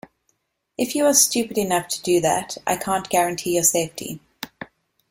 If you are stupid enough to do that, I can't guarantee your safety.